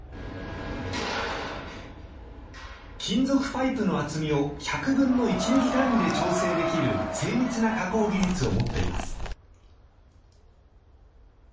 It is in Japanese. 金属パイプの厚みを１００分の１ミリ単位で調整できる精密な加工技術を持っています。